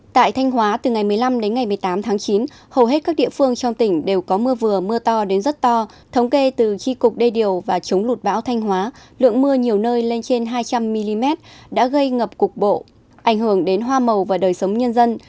tại thanh hóa từ ngày một mươi năm đến ngày một mươi tám tháng chín hầu hết các địa phương trong tỉnh đều có mưa vừa mưa to đến rất to thống kê từ tri cục đê điều và chống lụt bão thanh hóa lượng mưa nhiều nơi lên trên hai trăm linh mm đã gây ngập cục bộ ảnh hưởng đến hoa màu và đời sống nhân dân